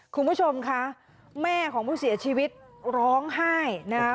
คุณผู้ชมคะแม่ของผู้เสียชีวิตร้องไห้นะคะ